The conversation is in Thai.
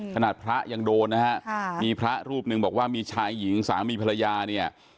พระยังโดนนะฮะมีพระรูปหนึ่งบอกว่ามีชายหญิงสามีภรรยาเนี่ย